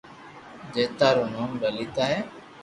ڇٽا رو نوم تينا ھي